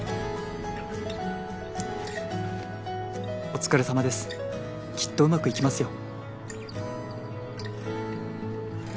「お疲れさまですきっとうまくいきますよ」